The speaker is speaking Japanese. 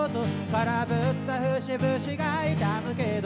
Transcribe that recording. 「空振った節々が痛むけど」